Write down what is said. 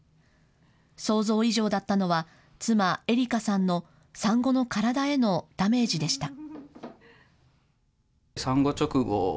想像以上だったのは妻、英里佳さんの産後の体へのダメージでした。